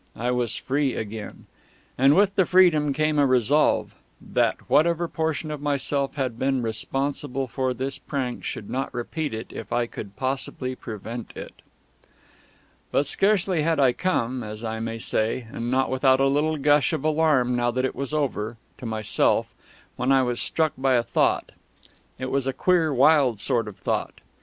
I was free again. And with the freedom came a resolve that whatever portion of myself had been responsible for this prank should not repeat it if I could possibly prevent it. But scarcely had I come, as I may say (and not without a little gush of alarm now that it was over), to myself, when I was struck by a thought. It was a queer wild sort of thought.